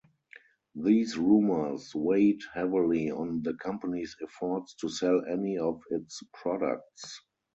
These rumors weighed heavily on the company's efforts to sell any of its products.